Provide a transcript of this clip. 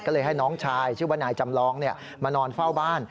ก็เลยให้น้องชายชื่อว่านายจำลองมานอนเฝ้าบ้าน